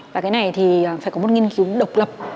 và cái này thì phải có một nghiên cứu độc lập